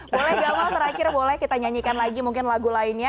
boleh gamal terakhir boleh kita nyanyikan lagi mungkin lagu lainnya